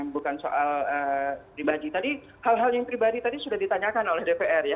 bukan soal pribadi tadi hal hal yang pribadi tadi sudah ditanyakan oleh dpr ya